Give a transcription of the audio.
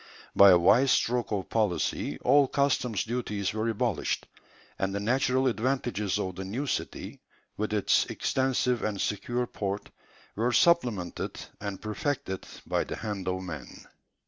By a wise stroke of policy all customs duties were abolished; and the natural advantages of the new city, with its extensive and secure port, were supplemented and perfected by the hand of man.